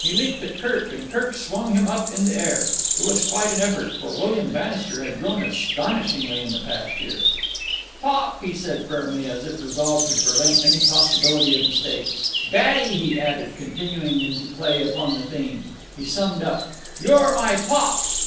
He leaped at Kirk, and Kirk swung him up in the air. It was quite an effort, for William Bannister had grown astonishingly in the past year. "Pop," said he firmly, as if resolved to prevent any possibility of mistake. "Daddy," he added, continuing to play upon the theme. He summed up. "You're my pop."